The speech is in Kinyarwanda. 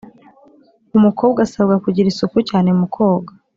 Umukobwa asabwa kugira isuku cyane mu koga